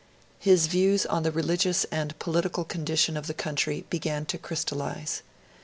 His views on the religious and political condition of the country began to crystallise.